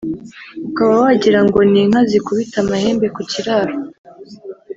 ukaba wagira ngo ni inka zikubita amahembe ku kiraro